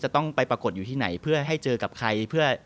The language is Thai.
ต้องไปปรากฏอยู่ที่ไหนเพื่อให้เจอกับใครเพื่อ